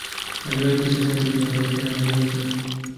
Aliwahi kucheza timu ya taifa ya Malaysia.